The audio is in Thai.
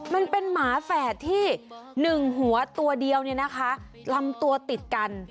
มันเป็นหมาแฝดที่หนึ่งหัวตัวเดียวลำตัวติดกัน